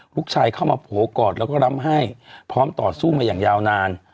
เข้ามาโผล่กอดแล้วก็รำให้พร้อมต่อสู้มาอย่างยาวนาน